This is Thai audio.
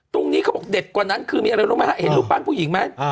เขาบอกเด็ดกว่านั้นคือมีอะไรรู้ไหมฮะเห็นรูปปั้นผู้หญิงไหม